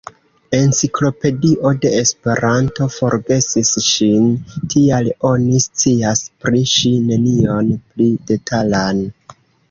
Enciklopedio de Esperanto forgesis ŝin, tial oni scias pri ŝi nenion pli detalan.